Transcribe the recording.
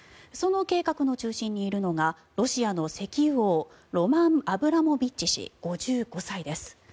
その計画の中心にいるのがロシアの石油王ロマン・アブラモビッチ氏５５歳です。